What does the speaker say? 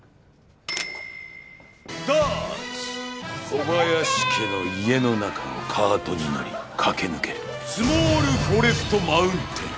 小林家の家の中をカートに乗り駆け抜けるスモールフォレストマウンテン。